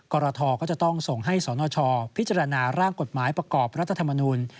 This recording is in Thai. กรทก็จะต้องส่งให้สนชพิจารณาร่างกฎหมายประกอบรัฐธรรมนูล